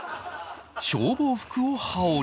消防服を羽織り